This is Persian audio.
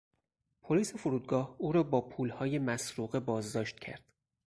پلیس فرودگاه او را با پولهای مسروقه باز داشت کرد.